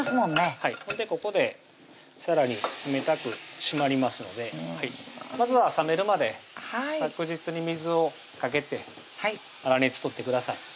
はいここでさらに冷たく締まりますのでまずは冷めるまで確実に水をかけて粗熱取ってください